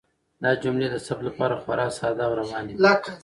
دا جملې د ثبت لپاره خورا ساده او روانې دي.